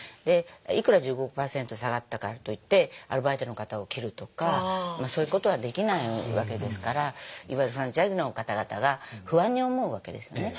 いくら１５％下がったからといってアルバイトの方を切るとかそういうことはできないわけですからいわゆるフランチャイズの方々が不安に思うわけですね。